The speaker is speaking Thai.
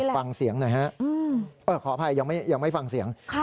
ฟังเสียงหน่อยฮะขออภัยยังไม่ฟังเสียง